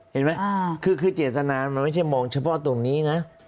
เห็นไหมคือเจตนามันไม่ใช่มองเฉพาะตรงนี้นะ